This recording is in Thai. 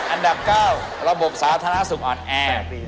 อันดับ๙ระบบสาธารณสุขอ่อนแอ